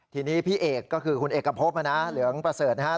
ทีนี้พี่เอกก็คือคุณเอกพบนะเหลืองประเสริฐนะครับ